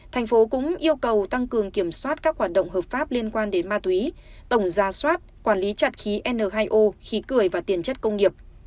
thành phố cũng yêu cầu tăng cường kiểm soát các hoạt động hợp pháp liên quan đến ma túy tổng ra soát quản lý chặt khí n hai o khí cười và tiền chất công nghiệp